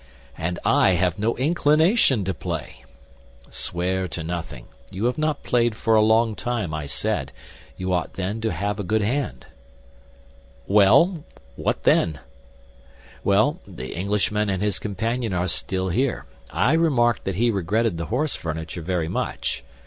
"And I have no inclination to play." "Swear to nothing. You have not played for a long time, I said; you ought, then, to have a good hand." "Well, what then?" "Well; the Englishman and his companion are still here. I remarked that he regretted the horse furniture very much.